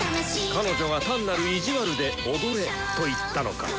彼女が単なる意地悪で「踊れ」と言ったのか。